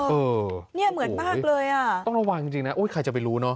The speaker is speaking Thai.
เออนี่เหมือนมากเลยอ่ะโอ้โหต้องระวังจริงนะใครจะไปรู้เนอะ